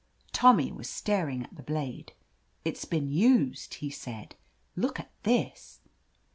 Tommy was staring at the blade. "It's been used," he said. "Look at this!"